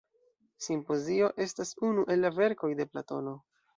Simpozio estas unu el la verkoj de Platono.